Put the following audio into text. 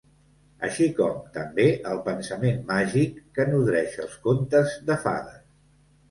Així com, també, el pensament màgic que nodreix els contes de fades.